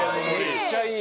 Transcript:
めっちゃいい。